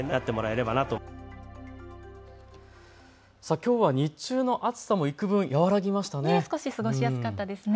きょうは日中の暑さもいくぶん和らぎましたね。